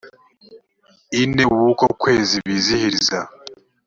n ine w uko kwezi k bizihiriza